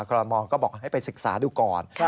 แล้วครอนมก็บอกให้ไปศึกษาดูก่อน